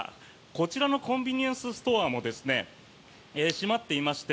こちらのコンビニエンスストアも閉まっていまして